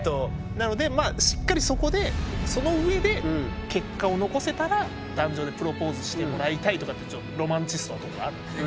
なのでしっかりそこでそのうえで結果を残せたら壇上でプロポーズしてもらいたいとかってロマンチストなところがあるので。